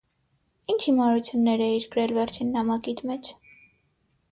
Ի՞նչ հիմարություններ էիր գրել վերջին նամակիդ մեջ: